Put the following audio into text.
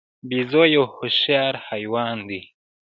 بیزو یو هوښیار حیوان دی.